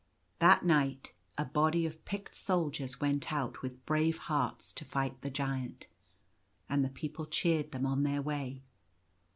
That night a body of picked soldiers went out with brave hearts to fight the Giant, and the people cheered them on their way.